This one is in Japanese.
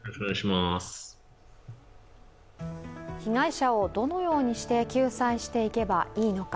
被害者をどのようにして救済していけばいいのか。